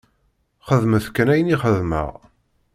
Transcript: Xedmet kan ayen i xedmeɣ!